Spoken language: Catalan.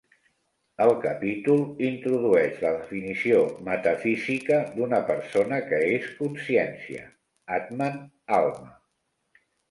El capítol introdueix la definició metafísica d'una persona que és Consciència, Atman, Alma.